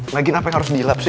lagi apa yang harus dilap sih